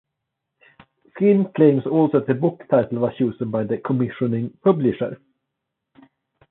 Skinn claims also that the book title was chosen by the commissioning publisher.